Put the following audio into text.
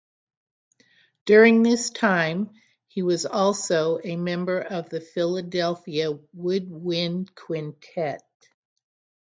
During this time, he was also a member of the Philadelphia Woodwind Quintet.